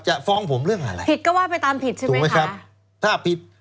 จะฟ้องผมเรื่องอะไรผิดก็ว่าไปตามผิดใช่ไหมครับถ้าผิด